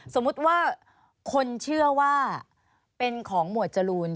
สมมุติว่าคนเชื่อว่าเป็นของหมวดจรูน